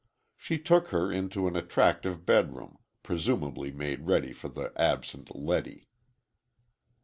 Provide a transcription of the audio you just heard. She took her into an attractive bedroom, presumably made ready for the absent Letty.